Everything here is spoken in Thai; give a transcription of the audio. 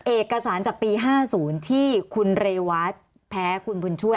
เอกสารจากปี๕๐ที่คุณเรวัตแพ้คุณบุญช่วย